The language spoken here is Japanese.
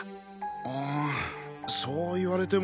ああそう言われても。